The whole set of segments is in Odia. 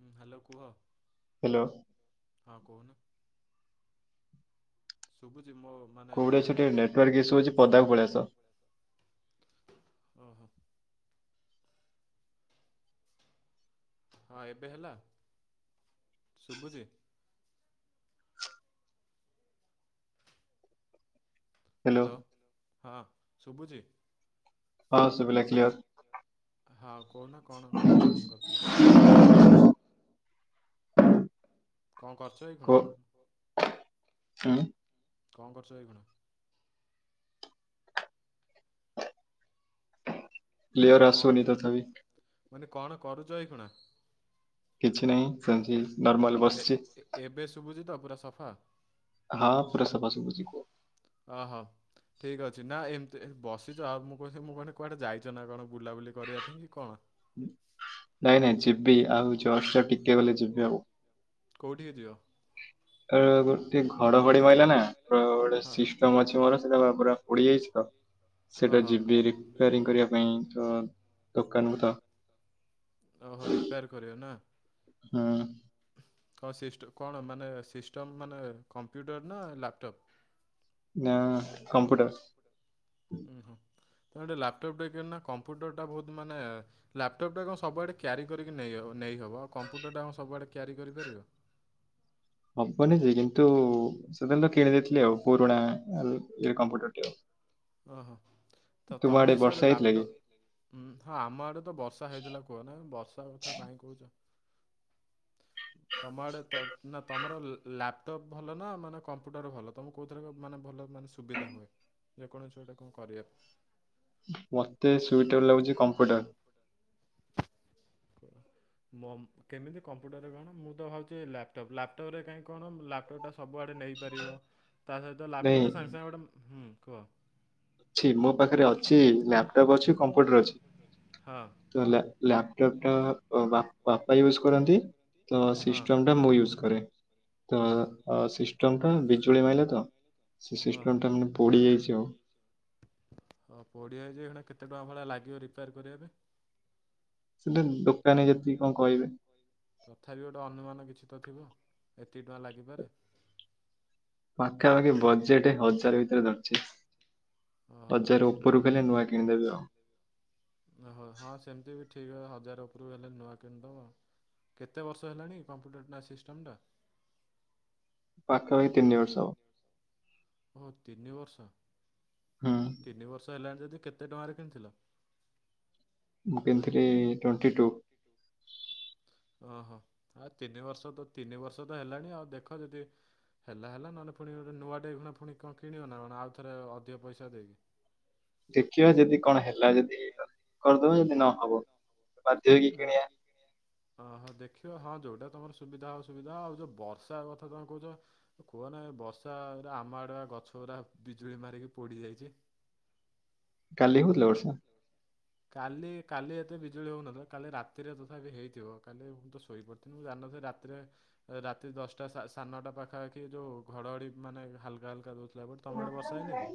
ହୁଁ ହାଲୋ କୁହ। ହାଲୋ। ହଁ କୋହୁନ। ଶୁଭୁଚି ମୋ କୋଉଠି ଅଛୁ ଟିକେ ନେଟୱାର୍କ ଇସୁ ଅଛି ପଦାକୁ ପଳେଆସ। ଓହୋ। ହଁ ଏବେ ହେଲା ଶୁଭୁଚି? ହାଲୋ ହଁ ଶୁଭୁଚି? ହଁ ଶୁବିଲା କ୍ଲିଅର। ହଁ କୋହୁନା କଣ କୋ ଫୋନ୍ କରିଥିଲ? କଣ କରୁଚ ଏଇଖୁଣା? ଉଁ? କଣ କରୁଚ ଏଇଖୁଣା? ମାନେ କଣ ମାନେ କଣ କରୁଚ ଏଇଖୁଣା? କିଛି ନାଇଁ ସେମତି ନର୍ମାଲ ବସଚି। ଏବେ ଶୁଭୁଚି ତ ପୁରା ସଫା? ହଁ ପୁରା ସଫା ଶୁଭୁଚି କୁହ। ଅହ। ଠିକ୍ ଅଛି ନା ଏମତି ଏ ବସିଚ ଆଉ ମୁଁ କୋହୁଚି ମୁଁ କହିନି କୁଆଡେ ଯାଇଚନ୍ତି ନା କଣ ବୁଲାବୁଲି କରିବା ପାଇଁ କି କଣ। ନାଇଁ ନାଇଁ ଯିବି ଆଉ ଜଷ୍ଟ ଟିକେ ଗଲେ ଯିବି ଆଉ। କୋଉଠିକି ଯିବ? ଏ ଗୋ ଟିକେ ଘଡଘଡି ମଇଲା ନା ତ ଗୋଟେ ସିଷ୍ ସିଷ୍ଟମ ଅଛି ମୋର ସେଟା ପା ପୁରା ପୋଡିଯାଇଛି ତ ସେଟା ଯିବି ରି ପପାରିଂ କରିବା ପାଇଁ ତ ଦୋକାନୁକୁ ତ ଓହୋ ରିପେୟାର କରିବେ ନା? ହଁ। ହଁ ସିଷ୍ଟ କଣ ମାନେ ସିଷ୍ଟମ୍ ମାନେ କମ୍ପ୍ୟୁଟର ନା ଲାପଟପ୍? ନା କମ୍ପ୍ୟୁଟର। ଉୁଁ ହଁ ତେଣୁଟେ ଲାପଟପ ଟେ କିଣୁନ ନା କମ୍ପ୍ୟୁଟର ଟା ବହୁତ ମାନେ ଲାପଟପ୍ ଟା କଣ ସବୁଆଡେ କ୍ୟାରି କରିକି ନେଇ ନେଇହବ ନେଇହବ ଆଉ କମ୍ପୁଟରଟା ଆମ ସବୁଆଡ଼େ କ୍ୟାରି ନେଇହବ। ହବନି ସେ କିନ୍ତୁ ସେଦିନ ତ [unintelligible] କିଣିଦେଇଥିଲେ ଆଉ ପୁରୁଣା କମ୍ପଟର ଟେ ଆଉ। ଓହୋ ତ ତମ ହିସାବରେ ଲାପଟପ୍ ହୁଁ ହଁ ଆମ ଆଡେ ତ ବର୍ଷା ହେଇଥିଲା କୁହନା ବର୍ଷା କଥା କାଇହିଁ କହୁଛ ତମ ଆଡ଼େ ତ ତମର ଲାଭ ଲ୍ୟାପଟପ୍ ଭଲ ନା ମାନେ କମ୍ପ୍ୟୁଟର ଭଲ, ତମକୁ କେଉଁଥିରେ ମାନେ ଭଲ ମାନେ ସୁବିଧା ହୁଏ? ଯେକୌଣସି କଣ ଗୋଟେ କହିଦିଅ। ମୋତେ ସୁଇଟେବୁଲ୍ ଲାଗୁଛି କମ୍ପ୍ୟୁଟର। ହ ମ କେମିତି କମ୍ପ୍ୟୁଟରରେ କଣ ମୁଁ ତ ଭାବଛି ଲ୍ୟାପଟପ୍ ଲାପଟପ୍ ରେ କାହିଁ କଣ ଲପଟପ୍ଟା ସ ସବୁଆଡ଼େ ନେଇପାରିବ, ତା ସହିତ ଲାପଟପ୍ ରେ ସାଙ୍ଗେ ସାଙ୍ଗେ ଗୋଟେ ହୁଁ କୁହ? ଅଛି ମୋ ପାଖରେ ଅଛି ଲାପଟପ୍ ଅଛି କମ୍ପ୍ୟୁଟର ଅଛି। ଲା ଲା ଲାପଟପ୍ ଟା ବା ବାପା ୟୁଜ କରନ୍ତି। ତ ସିଷ୍ଟମ ଟା ମୁଁ ୟୁଜ କରେ, ତ ଅ ସିଷ୍ଟମ ଟା ବିଜୁଳି ମାଇଲା ତ ସେ ସିଷ୍ଟମ ଟା ମାନେ ପୋଡି ଯାଇଛି ଆଉ। ହଁ ପୋଡ଼ିଆ ହେଇଯାଇ ହେ କେତେ ଟଙ୍କା ଭଳିଆ ଲାଗିବ ରିପେୟାର କରିବା ପାଇଁ? ସେଠି ଦୋକାନୀ ଯେତିକି କଣ କହିବେ? ତଥାପି ଗୋଟେ ଅନୁମାନ କିଛି ତ ଥିବ ଏତିକି ଟଙ୍କା ଲାଗିପାରେ? ପାଖାପାଖି ବଜେଟ ହଜାର ଭିତରେ ଧରିଛି, ହଜାର ଉ ଉପରକୁ ଖ ହେଲେ ନୂଆ କିଣିଦେବେ ଆଉ। ଓହୋ ହଁ ସେମିତି ବି ଠିକ୍ ହଜାର ଉପରକୁ ହେଲେ ନୂଆ କିଣିଦବା ଆଉ। କେତେ ବର୍ଷ ହେଲାଣି କମ୍ପ୍ୟୁଟରଟା ସିଷ୍ଟମ୍ ଟା? ପାଖା ପାଖି ତିନି ବର୍ଷ ହବ। ହଁ ତିନି ବର୍ଷ। ହଁ। ତିନି ବର୍ଷ ହେଲାଣି ଯଦି କେତେ ଟଙ୍କାରେ କିଣିଥିଲ? ମୁଁ କିଣିଥିଲି ଟ୍ୱେଣ୍ଟି ଟୁ। ଓହୋ ଆ ତିନି ବର୍ଷ ତ ତିନି ବର୍ଷ ତ ହେଲାଣି ଆଉ ଦେଖ ଯଦି ହେଲା ହେଲା ନହେଲେ ପୁଣି ଗୋଟେ ନୂଆଟେ ପୁଣି କଣ କିଣିବ ନା ଆଉ ଥରେ ଅଧିକ ପଇସା ଦେଇକି ଦେଖିବା ଯଦି କଣ ହେଲା ଯଦି କରିଦବ ଯଦି ନହବ ନା। ହ ହଁ ଦେଖିବ ହଁ ଯୋଉଟା ତମର ସୁବିଧା ଅସୁବିଧା ଆଉ ଯୋଉ ବର୍ଷା କଥା ତମେ କହୁନ କୁହ ନା ବର୍ଷାରେ ଆମ ଆଡ଼ୁଆ ଗଛ ଗୁଡ଼ା ବିଜୁଳି ମାରିକି ପୋଡ଼ି ଦେଇଚି। କାଲି ହଉଥିଲା ବର୍ଷା? କାଲି କାଲି ଏତେ ବିଜୁଳି ହୋଉନ ତ କାଲି ରାତିରେ ତଥାପି ହେଇଥିବ, କାଲି ମୁଁ ତ ଶୋଇପ ସେ ମୁଁ ଜାଣି ନଥିଲି ରାତିରେ ରାତି ଦଶଟା ସ ସା ସାଢ଼େ ଦଶ ଟା ପାଖାପାଖି ରୁ ଘଡ଼ଘଡ଼ି ମାନେ ହାଲକା ହାଲକା ଦଉ [unintelligible] ତମଡ଼ ବସାଇନ କି?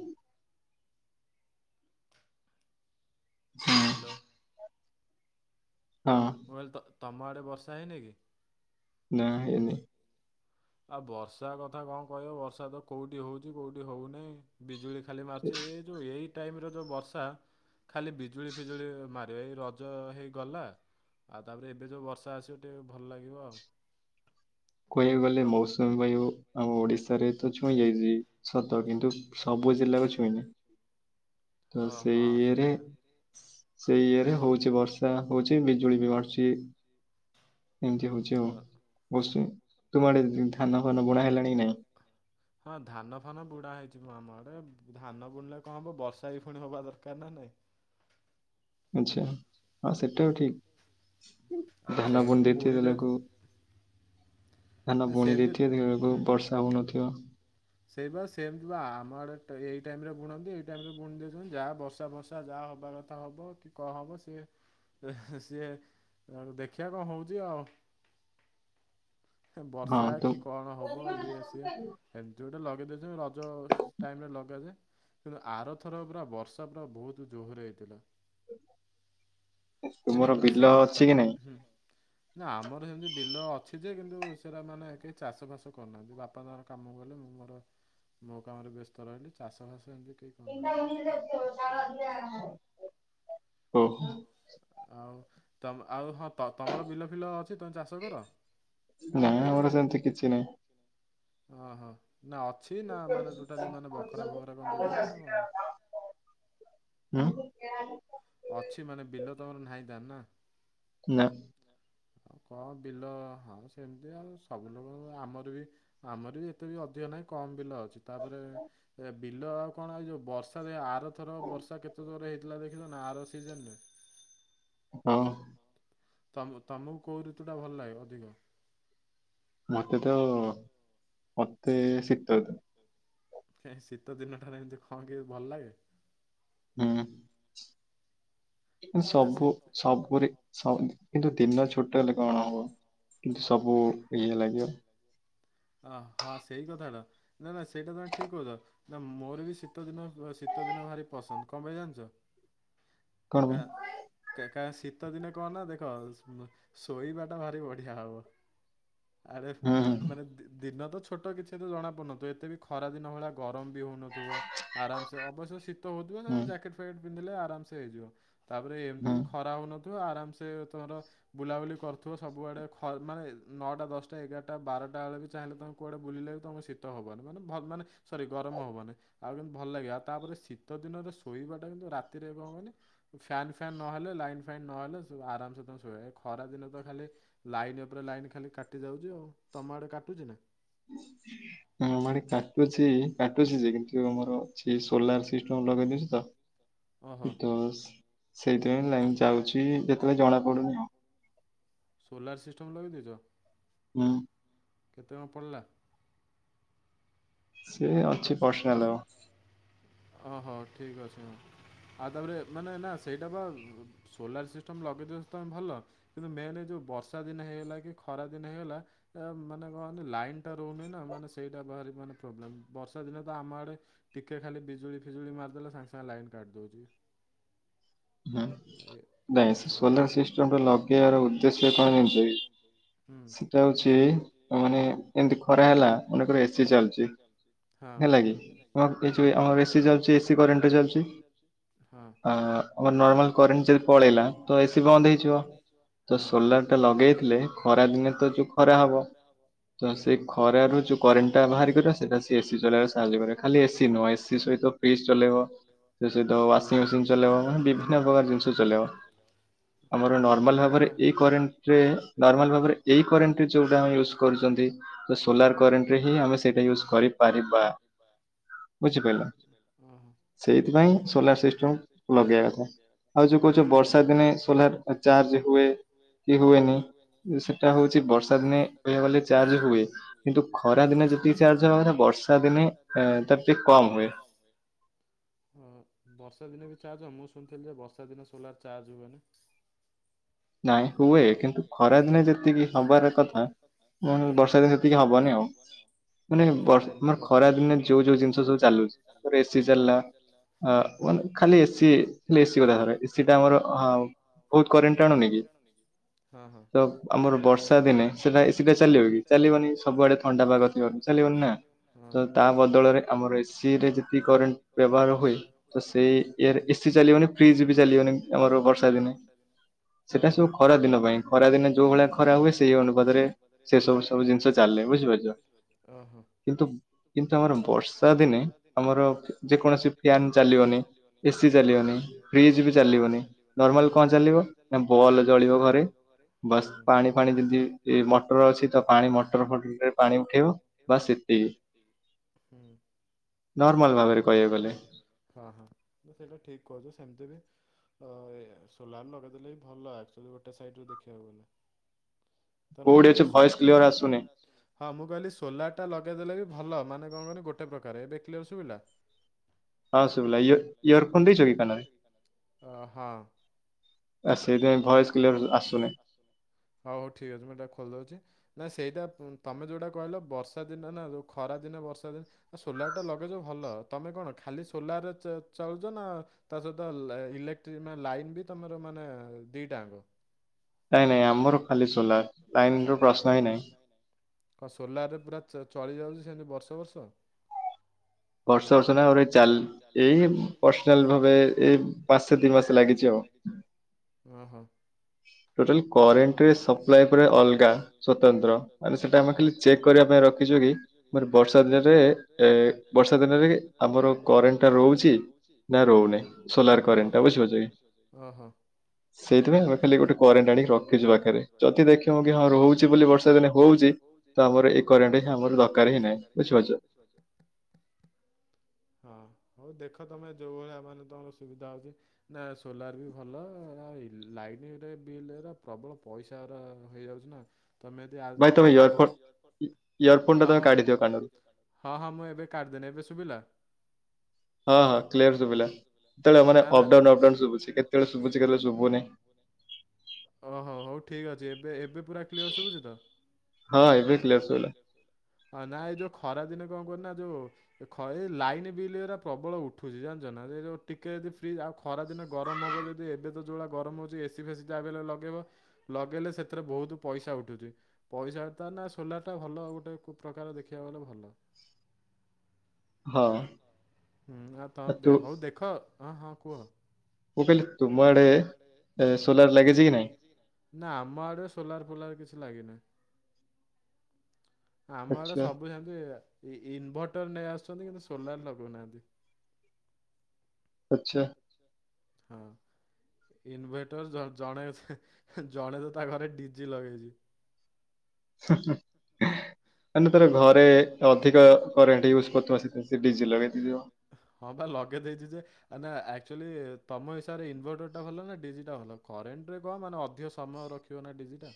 ହଁ। ହ୍ୟାଲୋ। ହଁ। ମୁଁ କହିଲି ତମ ଆଡ଼େ ବର୍ଷା ହେଇନି କି? ନା ହେଇନି। ଆଉ ବର୍ଷା କଥା କଣ କହିବ ବର୍ଷା ତ କୋଉଠି ହୋଉଛି କୋଉଠି ହୋଉ ନାହିଁ ବିଜୁଳି ଖାଲି ମାର୍ଚ ଏଇ ଯୋଉ ଏଇ ଟାଇମରେ ଯୋଉ ବର୍ଷା ଖାଲି ବିଜୁଳି ଫିଜୁଳି ମାରିବା ଏଇ ରଜ ହେଇଗଲା ଆଉ ତାପରେ ଏବେ ଯେଉଁ ବର୍ଷା ଆସିବ ଟିକେ ଭଲ ଲାଗିବ ଆଉ। କହିବାକୁ ଗଲେ ମୌ ସୁମି ବାୟୁ ଆମ ଓଡିଶାରେ ତ ଛୁଇଁ ଯାଇଛି ସତ କିନ୍ତୁ ସବୁ ଜିଲ୍ଲାକୁ ଛୁଇଁନି। ତ ସେଇ ଇଏରେ ସେଇ ଇଏରେ ହୋଉଛି ବର୍ଷା ହୋଉଛି ବିଜୁଳି ବି ମାରୁଚି। ଏମିତି ହୋଉଛି ଆଉ ମୌସୁମୀ ତୁମ ଆଡେ ଉଁ ଧାନ ଫାନ ବୁଣା ହେଲାଣି କି ନାଇଁ। ହଁ ଧାନ ଫାନ ବୁଡ଼ା ହେଇଛିି ମ ଆମ ଆଡେ ଧାନ ବୁଣିଲେ କଁ ହବ ବର୍ଷା ବି ଫୁଣି ହବା ଦରକାର ନା ନାଇଁ। ଆଚ୍ଛା ହଁ ସେଟା ବି ଠିକ ଧାନ ବୁଣ ଦେଇଥିବେ [unintelligible] ଧାନ ବୁଣି ଦେଇଥିବ ଦେଖିଲା ଆଳୁକୁ ବର୍ଷା ହୋଉନଥିବ। ସେଇ ପା ସେମତି ତ ଆମ ଆଡେ ଟ୍ରେ ଏଇ ଟାଇମ ରେ ବୁଣନ୍ତି ଏଇ ଟାଇମ ରେ ବୁଣି ଦେଉଛନ୍ତି ଯାହା ବର୍ଷା ଫର୍ଷା ଯହା ହବା କ ଥା ହବ କି କଁ ହବ ସିଏ [unintelligible] ସିଏ [unintelligible] ଦେଖିଆ କଁ ହୋଉଚି ଆଉ। [inaudible] ହେ ବର୍ଷା କି କଣ ହବ ଇଏ ସିଏ। [unintelligible] ଯୋଉଟା ଲଗେଇ ଦୋଉଚନ୍ତି ରଜ ଟାଇମ୍ ରେ ଲଗାଯାଏ। କିନ୍ତୁ ଆରଥର ପୁରା ବର୍ଷା ପୁରା ବୋହୁତୁ ଯୋହୋରେ ହେଇଥିଲା। ତୁମର ବିଲ ଅଛି କି ନାଇଁ। ନା ଆମର ସେମିତି ବିଲ ଅଛି ଯେ କିନ୍ତୁ ସେରା ମାନେ କେହି ଚାଷ ଫାସ କରୁନାହାନ୍ତି ବାପା [unintelligible] କାମକୁ ଗଲେ ମୁଁ ମୋର ମୋ କାମରେ ବ୍ୟସ୍ତ ରହିଲି ଚାଷ ଫାସ ଏମିତି କେହି [unintelligible] ଆଉ ତମ ଆଉ ହଁ ତ ତମର ବିଲ ଫିଲ ଅଛି ତମେ ଚାଷ କର। ନାଁ ଆମର ସେମିତି କିଛି ନାଇଁ। ଅଃ ନା ଅଛି ନା ମାନେ ଟୋଟାଲି ମାନେ ବଖରା ଫଖରା କଣ ଦେଇଦୋଉଚ ନା କଣ। [unintelligible] ଅଛି ମାନେ ବିଲ ତମର ନାହିଁ ତାହେନେ ନା। ନା। ଆଉ କଁ ବିଲ ହଁ ସେମିତି ଆଉ ସବୁ ଲୋକୋ [unintelligible] ଆମର ବି ଆମର ବି ଏତେ ବି ଅଧିକ ନାହିଁ କମ ବିଲ ଅ ଛି ତାପରେ ଏ ବିଲ ଆଉ କଣ ଏଇ ଯୋଉ ବର୍ଷାରେ ଆରଥର କ ବର୍ଷା କେତେ ଜୋରେ ହେଇଥିଲା ଦେଖିଲ। ନେ ଆର ଶିଜନ୍ ରେ। ହଁ। ତମୁକୁ ତମୁକୁ କୋଉ ଋତୁ ଟା ଭଲ ଲାଗେ ଅଧିକ। ମତେ ତ ମତେ ଶୀତ ଋତୁ। କାଇଁ ଶୀତ ଦିନ ଠାରେ ଏମିତି ଖଁ କି ଭଲ ଲାଗେ। [unintelligible] [unintelligible] ସବୁ ସବୁରେ ସ ଉଁ କିନ୍ତୁ ଦିନ ଛୋଟୋ ହେଲେ କଣ ହବ। କିନ୍ତ୍ ସବୁ ଇଏ ଲାଗିବ। ଅଃ ସେଇ କଥାଟା ନା ନା ସେଇଟା ତମେ ଠିକ କୋହୁଚ। ନା ମୋରୋ ବି ଶୀତ ଦିନ ଭ ଶୀତ ଦିନ ଭାରି ପସନ୍ଦ କଁ ପାଇଁ ଜାଣିଚ। [inaudible] [unintelligible] କା କା ଶୀତ ଦିନେ କଣ ନା ଦେଖ [unintelligible] ଶୋଇବା ଟା ଭାରି ବଢିଆ ହବ। ଆରେ ମାନେ ଦି ଦିନ ତ ଛୋଟୋ କିଛି ଏତେ ଜଣା ପଡୁନଥିବ ଏତେ ବି ଖରା ଦିନ ଭଳା। ଗରମ ବି ହୋଉନଥୁବ ଆରାମସେ ଅବଶ୍ୟ ଶୀତ ହୋଉଥୁବ [unintelligible] ଜାକେଟ୍ ପେଣ୍ଟ ପିନ୍ଧିଲେ ଆରାମସେ ହେଇଯିବ ତାପରେ ଏମିତି ଖରା ହୋଉନଥୁବ ଆରାମସେ ତମର ବୁଲାବୁଲି କରୁଥୁବ ସବୁଆଡେ ଖ ମାନେ ନଅଟା ଦଶଟା ଏଗାରଟା ବାରଟା ଆଳେ ବି ଚାହିଁଲେ ତମେ କୁଆଡେ ବୁଲିଲେବି [unintelligible] ଶୀତ ହବନି ମାନେ ଭା ମାନେ ସରି ଗରମ ହବନି। ଆଉ କିନ୍ତୁ ଭଲ ଲାଗେ ଆଉ ତାପରେ ଶୀତ ଦିନରେ ଶୋଇବା ଟା କିନ୍ତୁ ରାତିରେ କଁ [unintelligible] ଫ୍ୟନ୍ ଫ୍ୟନ୍ ନହେଲେ ଲାଇନ ଫାଇନ ନହେଲେ ସୋ ଆରାମସେ ତମେ ଶୋଇବ ଏଇ ଖରା ଦିନ ତ ଖାଲି ଲାଇନ ଓପୋରେ ଲାଇନ ଖାଲି କାଟି ଯାଉଚି ଆଉ ତମ ଆଡେ କାଟୁଚି ନା। [inaudible] ଆମ ଆଡି କାଟୁଛି କାଟୁଛି ଯେ କିନ୍ତୁ ଆମର ଅଛି ସୋଲାର ସିଷ୍ଟମ ଲଗେଇଦଉଛି ତ। ତ ସେଇଥିପାଇଁ ଲାଇନ୍ ଯାଉଛି ଯେତେବେଳେ ଜଣା ପଡୁନି ଆଉ। ସୋଲାର ସିଷ୍ଟମ୍ ଲଗେଇଦେଇଛ। ହୁଁ। କେତେ ଟଙ୍କା ପଡ଼ିଲା? ସେ ଅଛି ପର୍ସନାଲ ଆଉ। ଓହୋ ଠିକ୍ ଅଛି ଆଉ ତାପରେ ମାନେ ନା ସେଇଟା ବା ଉଁ। ସୋଲାର ସିଷ୍ଟମ୍ ଲଗେଇଦଉଚ ତମେ ଭଲ। କିନ୍ତୁ ମେନ ଯେଉଁ ବର୍ଷା ଦିନ ହେଇଗଲା କି ଖରା ଦିନ ହେଇଗଲା। ମାନେ କହନି ଲାଇନ ଟା ରହୁନି ନା ମାନେ ସେଇଟା ଭାରି ମାନେ ପ୍ରୋବ୍ଲେମ୍ ବର୍ଷା ଦିନେ ତ ଆମ ଆଡେ ଟିକେ ଖାଲି ବିଜୁଳି ଫିଜୁଳି ମାରିଦେଲେ ସାଙ୍ଗେ ସାଙ୍ଗେ ଲାଇନ କାଟି ଦଉଛି। ନାଇ ସୋଲାର ସିଷ୍ଟମ ଟା ଲଗେଇବାର ଉଦ୍ଦେଶ୍ୟ କଣ ଜାଣିଚ କି? ସେଟା ହଉଛି ମାନେ ଏମିତି ଖରା ହେଲା ମନେକର ଏସିି ଚାଲୁଛି। ହଁ। ହେଲା କି ତମ ଏଚି ଆମର ହଁ। ଆମର ନର୍ମାଲ କରେଣ୍ଟ ଯଦି ପଳେଇଲା ତ ଏସି ବନ୍ଦ ହେଇଯିବ। ତ ସୋଲାରଟା ଲଗେଇଥିଲେ ଖରା ଦିନେ ତ ଯୋଉ ଖରା ହବ ତ ସେ ଖରାରୁୁ ଯୋଉ କରେଣ୍ଟ ଟା ବାହାରି କରିବା ସେଟା ସେ ଏସି ଚଲେଇବା [unintelligible] ରେ ଖାଲି ଏସି ନୁହଁ ଏସି ସହିତ ଫ୍ରିଜ ଚଲେଇବ ତା ସହିତ ୱାସିଂ ମେସିନ ଚଲେଇବ। ଆମ ବିଭିନ୍ନ ପ୍ରକାର ଜିନଷ ଚଲେଇବ। ଆମର ନର୍ମାଲ ଭାବରେ ଏଇ କରେଣ୍ଟରେ ନର୍ମାଲ ଭାବରେ ଏଇ କରେଣ୍ଟରେ ଯଉଟା ଆମେ ୟୁଜ୍ କରୁଛନ୍ତି। ତ ସୋଲାର କରେଣ୍ଟରେ ହିଁ ଆମେ ସେଇଟା ୟୁଜ୍‌ କରିପାରିବା। ବୁଝିପାରିଲ ସେଇଥିପାଇଁ ସୋଲାର ସିଷ୍ଟମ୍ ଲଗେଇବା କଥା ଆଉ ଯୋଉ କହୁଛ ବର୍ଷା ଦିନେ ସୋଲାର ଚାର୍ଜ ହୁଏ। କି ହୁଏନି ସେଟା ହଉଛି ବର୍ଷା ଦିନେ କହିଆକୁ ଗଲେ ଚାର୍ଜ ହୁଏ। କିନ୍ତୁ ଖରା ଦିନେ ଯେତିକି ଚାର୍ଜ ହବା କଥା ବର୍ଷା ଦିନେ ତା ଟିକେ କମ୍ ହୁଏ। ହ ବର୍ଷା ଦିନ ବି ଚାର୍ଜ ହ ମୁଁ ଶୁଣିଥିଲି ଯେ ବର୍ଷା ଦିନ ସୋଲାର ଚାର୍ଜ ହୁଏନି। ନାଇଁ ହୁଏ କିନ୍ତୁ ଖରାଦିନେ ଯେତିକି ହବାର କଥା ବର୍ଷା ଦିନ ସେତିକି ହବନି ଆଉ। [inaudible] ମାନେ ବର୍ଷା ମାନେ ଖରା ଦିନରେ ଯୋଉ ଯୋଉ ଜିନିଷ ସବୁ ଚାଲୁଛି ଧର ଏସି ଚାଲିଲା। ଅ ମାନେ ଖାଲି ଏସି ଖାଲି ଏସିି କଥା ଏସି ଟା ଆମର ହ ବହୁତ କରେଣ୍ଟ ଟାଣୁନି କି। ତ ଆମର ବର୍ଷା ଦିନେ ସେଟା ଏସି ଟା ଚାଲିବ କି ଚାଲିବନି ସବୁଆଡେ ଥଣ୍ଡା ପାଗ। ଚାଲିିବନ ନା ତ ତା ବଦଳରେ ଆମର ଏସି ରେ ଯଦି କରେଣ୍ଟ ବ୍ୟବହାର ହୁଏ। ତ ସେଇ ଇଏରେ ଏସିି ଚାଲିବନି ଫ୍ରିଜ ବି ଚାଲିବନି ଆମର ବର୍ଷା ଦିନେ। ଓହୋ ସେଟା ସବୁ ଖରା ଦିନ ପାଇଁ ଖରା ଦିନ ଯୋଉ ଭଳିଆ ଖରା ହୁଏ ସେଇ ଅନୁପଦରେ ସେ ସବ ସବୁ ଜିନିଷ ଚାଲେ ବୁଝିଲ। ଓହୋ। କିନ୍ତୁ କିନ୍ତୁ ଆମର ବର୍ଷା ଦିନେ ଆମର ଯେକୌଣସି ଫ୍ୟାନ ଚାଲିବନି। ଏସିି ଚାଲିବନି ଫ୍ରିଜ୍ ବି ଚାଲିବନି ନର୍ମାଲ କଣ ଚାଲିବ। ନା ବଲ୍ ଜଳିବ ଘରେ ବାସ୍ ପାଣି ଫାଣି ଯଦିତି ଏ ମଟର ଅଛି ତ ପାଣି ମଟର ଫଟରରେ ପାଣିଉଠେଇଵ ବାସ୍ ଏତେକି। ହୁଁ। ନର୍ମାଲ୍ ଭାବରେ କହିବାକୁ ଗଲେ। ହଁ ହଁ ତ ସେଇଟା ଠିକ୍ କହୁଛୁ ସେମିତି ବି ସୋଲାର ଲଗେଇଦେଲେ। ଭଲ ଆଚୁଆଲି ଗୋଟେ ସାଇଡ୍‌ ରୁ ଦେଖିବାକୁ ଗଲେ ତନକ ମାନେ ହଁ ମୁଁ କହିଲି ସୋଲାରଟା ଲଗେଇଦେଲେ ବି ଭଲ ମାନେ କ ଣ କହନି ଗୋଟେ ପ୍ରକାର ଏବେକ୍ଲିଅର ସୁବିଲା। ହଁ ଇୟଫୋନ୍ ଦେଇଚକି ହଁ। ଆ ସେଥିପାଇଁ ଭଏସ୍ କ୍ଲିୟର ଆସୁନାହିଁ। ଆସିଲ ହୋଉ ଠିକ୍ ଅଛି ମୁଁ ଏଟା ଖୋଲିଦଉଛି। ନା ସେଇଟା ତମେ ଯୋଉଟା କହିଲ ବର୍ଷା ଦିନ ନା ଯୋଉ ଖରା ଦିନ ବର୍ଷା ଦିନ ସୋଲାର ଟା ଲଗେଇଛ ଭଲ ତମେ କଣ ଖାଲି ସୋଲାର ରେ ଚ-ଚଳୁଛ ନା? ତା ସହିତ ଇଲେକ୍ଟ୍ରିକ ଲାଇନ ବି ତମର ମାନେ ଦିଇଟା ଯାକ ନାଇଁ ନାଇଁ ଆମର ଖାଲି ସୋଲାର ଲାଇନ ରୁ ପ୍ରଶ୍ନ ହିଁ ନାଇଁ। କଣ ସୋଲାର ରେ ପୁରା ଚ-ଚଳି ଯାଉଛ ସେମିତି ବର୍ଷ ବର୍ଷ? ବର୍ଷା ବର୍ଷ ନା ଚାଲ ଏଇ ବର୍ଷାଲ ଭାବେ ଏଇ ପାଞ୍ଚଶହ ତିନି ମାସ ଲାଗିଛି ଆଉ ଅ ହୋ। ଟୋଟାଲ କରେଣ୍ଟରେ ସପ୍ଲାଏ ପୁରା ଅଲଗା ସ୍ଵତନ୍ତ୍ର ମାନେ ସେଟା ଆମେ ଖାଲି ଚେକ୍ କରିବା ପାଇଁ ରଖିଛୁ କି ମାନେ ବର୍ଷା ଦିନରେ ଏ ବର୍ଷା ଦିନରେ ଆମର କରେଣ୍ଟ ଟା ରହୁଛି ନା ରହୁନି ସୋଲାର କରେଣ୍ଟ ଟା ବୁଝିପାରୁଛ କି? ହଁ ହଁ। ସେଇଥିପାଇଁ ଆମେ ଖାଲି ଗୋଟେ କରେଣ୍ଟ ଆଣି ରଖିଛୁ ପାଖରେ ଯଦି ଦେଖିବୁ କି ହଁ ରହୁଛି ବୋଲି ବର୍ଷା ଦିନେ ହଉ ଯେ ତ ଆମର ଏଇ କରେଣ୍ଟ ହିଁ ଆମର ଦରକାରହିଁ ନାହିଁ ବୁଝିପାରୁଛ? ହଁ ହଉ ଦେଖ ତମେ ଯେଉଁ ଭଳିଆ ମାନେ ତମର ସୁବିଧା ହଉଛି। ନା ସୋଲାର ବି ଭଲ ଆଉ ଲାଇନରେ ବିଲ ର ପ୍ରବଳ ପଇସା ର ହେଇଯାଉଛି ନା ତମେ ଆ ଚୁଲା ଗ ହଁ ହଁ। ହଁ ହଁ ମୁଁ ଏବେ କାଢଦେନି ଏବେ ଶୁଭିଲା? ହଁ ହଁ କ୍ଲିୟର ଶୁଭିଲା କେତବେଳେ ମାନେ ଅପଡାଉନ ଅପଡାଉନ ଶୁଭୁଛି କେତେବେଳେ ଶୁଭୁଛି ତେବେଳେ ଶୁଭୁ ଭୁନି। ଓହୋ ହଉ ଠିକ ଅଛି ଏବେ ଏବେ ପୁରା କ୍ଲିଅର ଶୁଭୁଛି ତ? ହଁ ନା ଏଇ ଯୋଉ ଖରା ଦିନେ କଣ କରୁନା ଯୋଉ ଖ ଏ ଲାଇନ୍ ବିଲ୍ ହେରା ପ୍ରବଳ ଉଠୁଛି ଜାଣିଛ ନା ସେ ଯୋଉ ଟିକେ ଯଦି ଫ୍ରିଜ ଆଉ ଖରାଦିନ ଗରମ ହବ ଯଦି ଏବେ ତ ଯୋଉଦ୍ଭଳିଆ ଗରମ ହେଉଛି ଏସି ଫେସି ଯା ହେଲେବି ଲଗେଇବ। ଲଗେଇଲେ ସେଥିରେ ବହୁତ ପଇସା ଉଠୁଛି। ପଇସା ତା ନା ସୋଲାର ଟା ଭଲ ଆଉ ଗୋଟେ କୁ ପ୍ରକାର ଦେଖିବାକୁ ଗଲେ ଭଲ। ହୁଁ ଆ ତ ଦେ ହଉ ଦେଖ ହଁ ହଁ କୁହ। ମୁଁ କହିଲି ତୁମ ଆଡେ ଏ ନା ଆମ ଆଡେ ସୋଲାର ପୋଲାର କିଛି ଲାଗିନାହିଁ। ଆମ ଆଡେ ସବୁ ସେମିତି ଇ-ଇନଭଟର ନେଇ ଆସୁଛନ୍ତି କିନ୍ତୁ ସୋଲାର ଲଗଉନାହାନ୍ତି। ଆଚ୍ଛା। ହଁ ଇନଭେଟର୍ ଯ ଜଣେଅଧେ ଜଣେ ତ ତା ଘରେ ଡିଜି ଲଗେଇଛି। ହୁଁ ହୁଁ ମାନେ ତାର ଘରେ ଅଧିକ କରେଣ୍ଟ ୟୁଜ୍ କରୁଥିବ ସେଥିପାଇଁ ସେ ଡିଜିେ ଲଗେଇ ଦେଇଥିବ। ହଁ ପା ଲଗେଇ ଦେଇଛି ଯେ ଆ ନା ଆକ୍ଟୁଆଲି ତମ ହିସାବରେ ଇନଭର୍ଟରଟା ଭଲ ନା ଡିଜିଟା ଭଲ? କରେଣ୍ଟରେ କଣ ମାନେ ଅଧିକ ସମୟ ରଖିବ ନା ଡିଜିଟା।